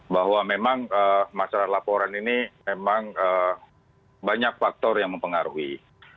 bahwa memang masalah laporan ini memang banyak faktor yang mempengaruhi